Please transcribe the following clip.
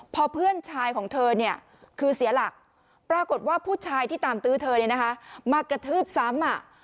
พอเพื่อนชายของเธอคือเสียหลักปรากฏว่าผู้ชายที่ตามตื้อเธอมากระทืบซ้ำ